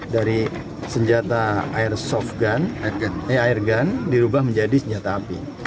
dari senjata airsoft gun airgun dirubah menjadi senjata api